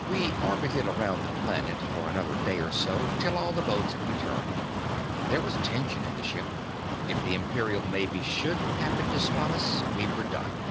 We orbited around the planet for another day or so till all the boats had returned. There was tension in the ship if the Imperial navy should happen to spot us, we were done.